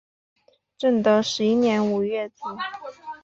正德十一年五月卒。